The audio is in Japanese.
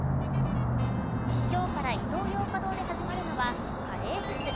今日からイトーヨーカドーで始まるのはカレーフェス。